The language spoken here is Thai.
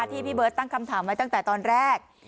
ที่พี่เบิร์ตตั้งคำถามไว้ตั้งแต่ตอนแรก